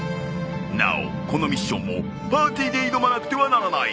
なおこのミッションもパーティーで挑まなくてはならない。